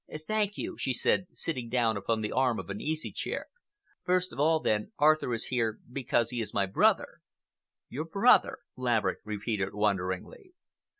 "Thank you," she said, sinking down upon the arm of an easy chair. "first of all, then, Arthur is here because he is my brother." "Your brother!" Laverick repeated wonderingly.